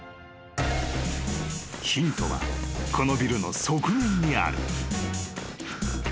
［ヒントはこのビルの側面にある］